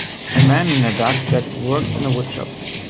A man in a dark jacket works in a wood shop.